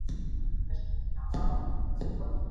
د کندهار په دودیزو خوړو کي کوم مسالې کارول کېږي؟